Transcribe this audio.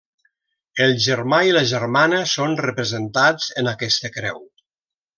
El germà i la germana són representats en aquesta creu.